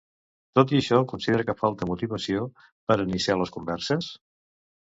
Tot i això, considera que falta motivació per a iniciar les converses?